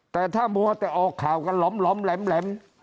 แต่ถ้ามัวแต่ออกข่าวกันหล่อมหล่อมแหลมแหลม